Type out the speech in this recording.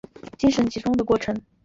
它是指经由精神的集中过程。